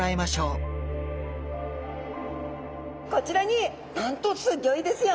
こちらになんとすギョいですよ。